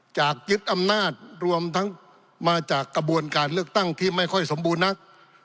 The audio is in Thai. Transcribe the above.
ยึดอำนาจรวมทั้งมาจากกระบวนการเลือกตั้งที่ไม่ค่อยสมบูรณ์นัก